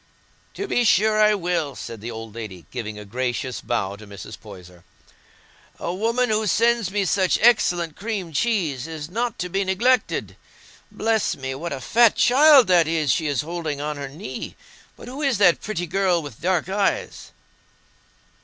"To be sure I will," said the old lady, giving a gracious bow to Mrs. Poyser. "A woman who sends me such excellent cream cheese is not to be neglected. Bless me! What a fat child that is she is holding on her knee! But who is that pretty girl with dark eyes?"